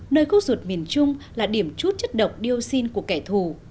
nơi cô ruột miền trung là điểm chút chất độc dioxin của kẻ thù